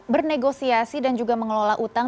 bernegosiasi dan juga mengelola utang